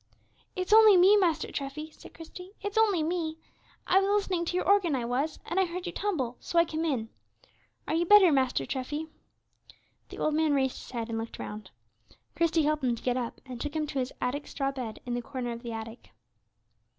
"It's only me, Master Treffy," said Christie, "it's only me. I was listening to your organ, I was, and I heard you tumble, so I came in. Are you better, Master Treffy?" The old man raised his head, and looked round. Christie helped him to get up, and took him to his attic straw bed in the corner of the attic.